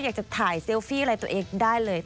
อยากจะถ่ายเซลฟี่อะไรตัวเองได้เลย